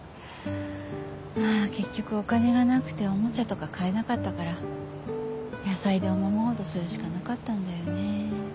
まあ結局お金がなくておもちゃとか買えなかったから野菜でおままごとするしかなかったんだよね。